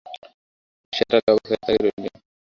নিসার আলি অবাক হয়ে তাকিয়ে রইলেন।